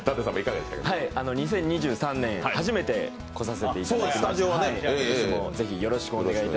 ２０２３年、初めて来させていただきました。